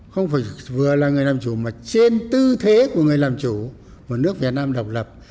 không phải vừa là người làm chủ mà trên tư thế của người làm chủ của nước việt nam độc lập